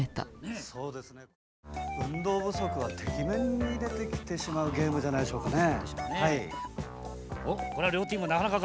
運動不足がてきめんに出てきてしまうゲームじゃないでしょうかね。